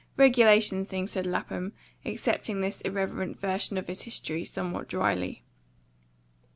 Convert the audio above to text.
"Regulation thing," said Lapham, accepting this irreverent version of his history somewhat dryly.